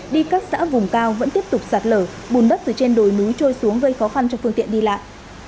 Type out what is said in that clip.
đi các xã vùng cao vẫn tiếp tục sạt lở bùn đất từ trên đồi núi trôi xuống gây khó khăn cho phương tiện đi lại